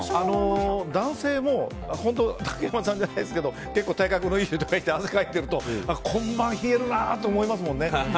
男性も竹山さんじゃないですけど結構体格のいい人で汗かいてると今晩、冷えるなと思いますもんね。